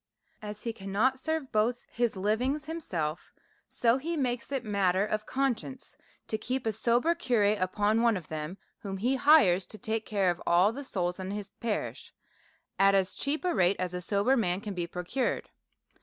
As he cannot serve both his livings himself, .so he makes it matter of conscience to keep a sober curate upon one of them, wliom he hires to take care of all L 4 152 A SERIOUS CALL TO A the souls in the parish, at as cheap a rate as a sober mail can be procured.